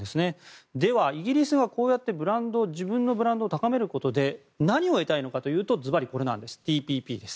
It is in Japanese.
では、イギリスはこうやって自分のブランドを高めることで何を得たいのかというとずばり、ＴＰＰです。